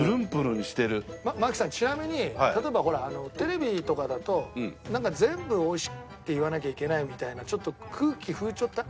マキさんちなみに例えばほらテレビとかだとなんか全部美味しいって言わなきゃいけないみたいなちょっと空気風潮ってあるじゃないですか。